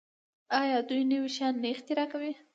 آیا دوی نوي شیان نه اختراع کوي؟